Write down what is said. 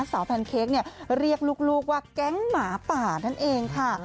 แพนเค้กเนี่ยเรียกลูกว่าแก๊งหมาป่านั่นเองค่ะ